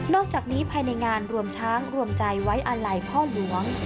อกจากนี้ภายในงานรวมช้างรวมใจไว้อาลัยพ่อหลวง